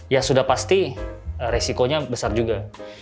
ya sudah pasti resikonya besar juga